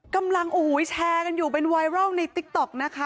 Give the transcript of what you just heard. กำลังโอ้โหแชร์กันอยู่เป็นไวรัลในติ๊กต๊อกนะคะ